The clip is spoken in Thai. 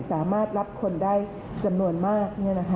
สามารถรับคนได้จำนวนมาก